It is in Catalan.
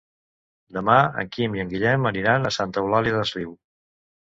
Demà en Quim i en Guillem aniran a Santa Eulària des Riu.